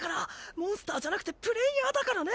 モンスターじゃなくてプレイヤーだからね！